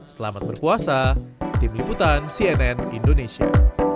selamat berpuasa tim liputan cnn indonesia